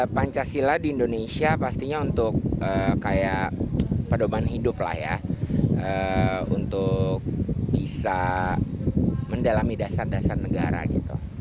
pancasila di indonesia pastinya untuk kayak pedoman hidup lah ya untuk bisa mendalami dasar dasar negara gitu